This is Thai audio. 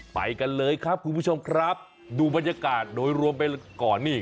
ไปกันเลยครับคุณผู้ชมครับดูบรรยากาศโดยรวมไปก่อนนี่